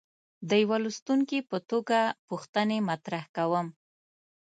د یوه لوستونکي په توګه پوښتنې مطرح کوم.